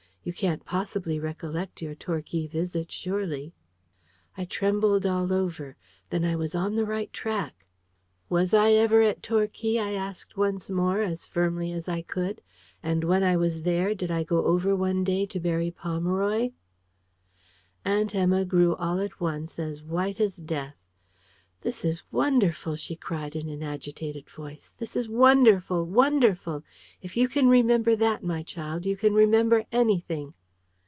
You can't possibly recollect your Torquay visit, surely!" I trembled all over. Then I was on the right track! "Was I ever at Torquay?" I asked once more, as firmly as I could. "And when I was there, did I go over one day to Berry Pomeroy?" Aunt Emma grew all at once as white as death. "This is wonderful!" she cried in an agitated voice. "This is wonderful wonderful! If you can remember that, my child, you can remember anything."